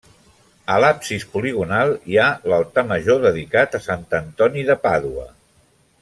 A l'absis poligonal hi ha l'altar major dedicat a sant Antoni de Pàdua.